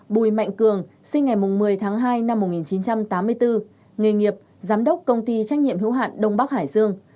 bùi mạnh cường sinh ngày một mươi tháng hai năm một nghìn chín trăm tám mươi bốn nghề nghiệp giám đốc công ty trách nhiệm hữu hạn đông bắc hải dương